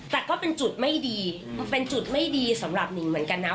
แต่ก็เป็นจุดไม่ดีมันเป็นจุดไม่ดีสำหรับหนิงเหมือนกันนะ